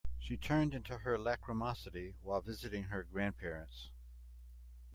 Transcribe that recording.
She turned into her lachrymosity while visiting her grandparents.